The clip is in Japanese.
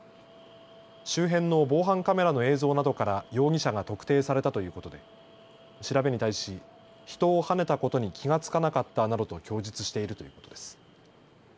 周辺の防犯カメラの映像などから容疑者が特定されたということで調べに対し人をはねたことに気が付かなかったなどと供述しているということです。